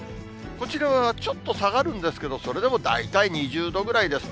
こちらはちょっと下がるんですけど、それでも大体２０度ぐらいです。